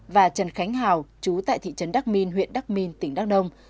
và trần khánh hào chú tại thị trấn đắc minh huyện đắc minh tỉnh đắc đông